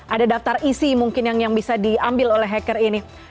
ada daftar isi mungkin yang bisa diambil oleh hacker ini